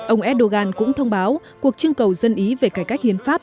ông erdogan cũng thông báo cuộc trưng cầu dân ý về cải cách hiến pháp